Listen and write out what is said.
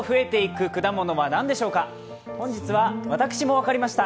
本日は私も分かりました。